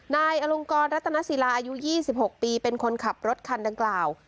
นายอลงกรรัตนศิลาอายุ๒๖ปีเป็นคนขับรถคันดังกล่าว